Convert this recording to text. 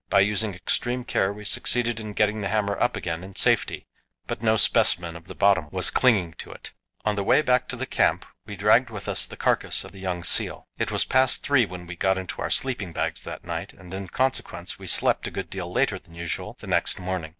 By using extreme care we succeeded in getting the hammer up again in safety, but no specimen of the bottom was clinging to it. On the way back to camp we dragged with us the carcass of the young seal. It was past three when we got into our sleeping bags that night, and, in consequence, we slept a good deal later than usual the next morning.